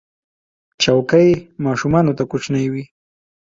چوکۍ ماشومانو ته کوچنۍ وي.